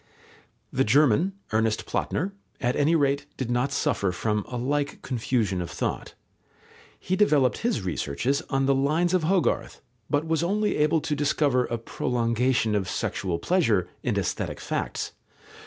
The German, Ernest Platner, at any rate did not suffer from a like confusion of thought. He developed his researches on the lines of Hogarth, but was only able to discover a prolongation of sexual pleasure in aesthetic facts.